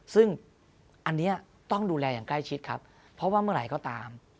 ซึ่งอันนี้ต้องดูแลอย่างใกล้ชิดครับเพราะว่าเมื่อไหร่ก็ตาม